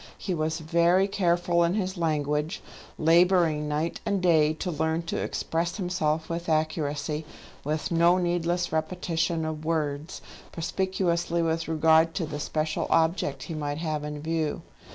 He was very careful in his language, labouring night and day to learn to express himself with accuracy, with no needless repetition of words, perspicuously with regard to the special object he might have in view.